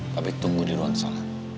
tapi tunggu di ruang sholat